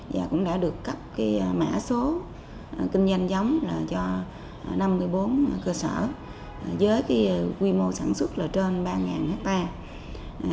và cũng đã được cấp cái mã số kinh doanh giống là cho năm mươi bốn cơ sở với cái quy mô sản xuất là trên ba hectare